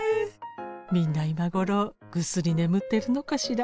みんな今頃ぐっすり眠ってるのかしら。